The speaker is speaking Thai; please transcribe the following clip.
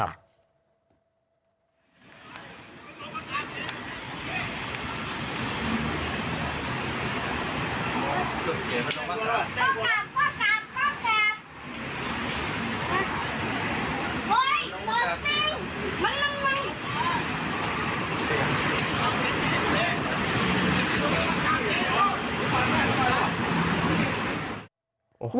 ก็กลับก็กลับก็กลับ